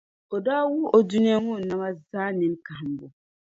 o daa wuhi o dunia ŋɔ nama zaa nini kahimbu.